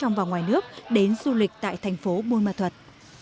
ngoài nước đến du lịch tại thành phố buôn ma thuật